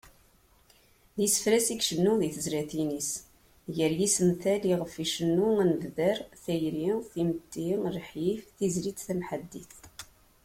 D isefra-s i icennu di tezlatin-is, gar yisental iɣef icennu ad nebder: Tayri, timetti, lḥif, tizlit tamḥaddit.